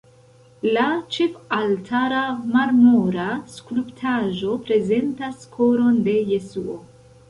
La ĉefaltara marmora skulptaĵo prezentas Koron de Jesuo.